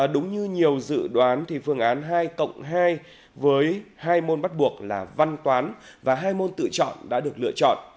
đúng như nhiều dự đoán thì phương án hai cộng hai với hai môn bắt buộc là văn toán và hai môn tự chọn đã được lựa chọn